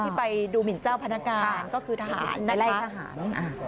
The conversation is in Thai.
ที่ไปดูหมิ่นเจ้าพนักกาลก็คือทหาร